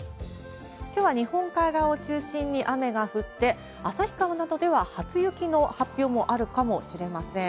きょうは日本海側を中心に雨が降って、旭川などでは初雪の発表もあるかもしれません。